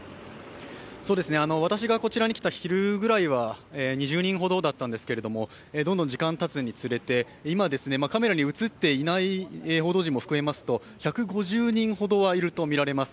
私がこちらに来た昼ぐらいは２０人ほどだったんですけれどもどんどん時間がたつにされて、今カメラに映っていない報道陣も含めますと１５０人ほどはいると思われます。